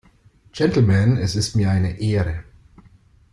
Gentlemen, es ist mir eine Ehre!